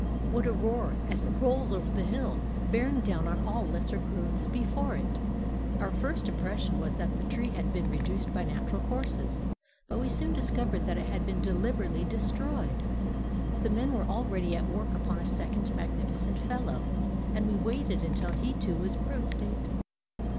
What a roar as it rolls over the hill, bearing down all lesser growths before it! Our first impression was that the tree had been reduced by natural forces; but we soon discovered that it had been deliberately destroyed! The men were already at work upon a second magnificent fellow; and we waited until he too was prostrate.